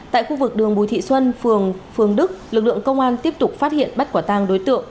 tại khu vực đường bùi thị xuân phường phương đức lực lượng công an tiếp tục phát hiện bắt quả tàng đối tượng